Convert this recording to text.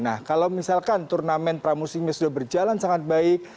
nah kalau misalkan turnamen pramusimnya sudah berjalan sangat baik